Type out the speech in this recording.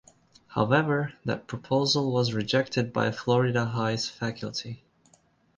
However, that proposal was rejected by Florida High's faculty.